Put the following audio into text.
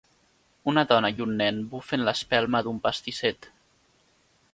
Una dona i un nen bufen l'espelma d'un pastisset.